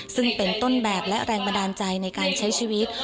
ซึ่งเป็นต้นแบบและแรงบันดาลใจในการใช้ชีวิต